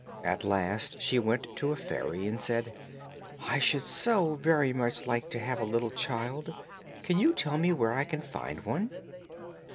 At last she went to a fairy, and said, "I should so very much like to have a little child; can you tell me where I can find one?"